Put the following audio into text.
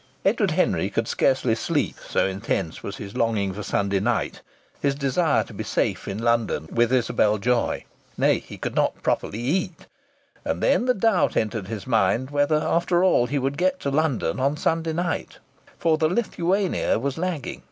Edward Henry could scarcely sleep, so intense was his longing for Sunday night his desire to be safe in London with Isabel Joy! Nay, he could not properly eat! And then the doubt entered his mind whether after all he would get to London on Sunday night. For the Lithuania was lagging.